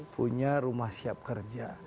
punya rumah siap kerja